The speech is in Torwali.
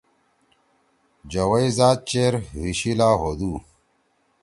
جوَئی زات چیر حی شیِلا ہودُو۔